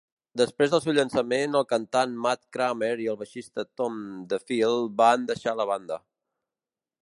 Després del seu llançament, el cantant Matt Kramer i el baixista Tom Defile van deixar la banda.